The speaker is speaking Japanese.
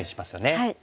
はい。